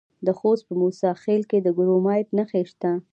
د خوست په موسی خیل کې د کرومایټ نښې شته.